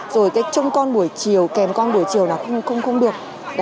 rồi cái trông con buổi chiều kèm con buổi chiều là không được